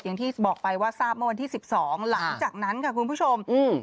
อย่างที่บอกไปว่าทราบเมื่อวันที่สิบสองหลังจากนั้นค่ะคุณผู้ชมอืม